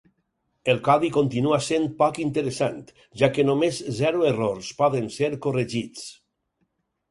El codi continua sent poc interessant, ja que només zero errors poden ser corregits.